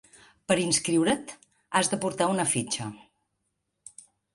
Per inscriure't has de portar una fitxa.